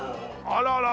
あららら。